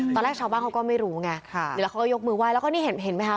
ตอนแรกชาวบ้านเขาก็ไม่รู้ไงเดี๋ยวแล้วเขาก็ยกมือไห้แล้วก็นี่เห็นไหมคะ